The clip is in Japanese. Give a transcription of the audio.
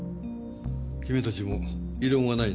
君たちも異論はないな？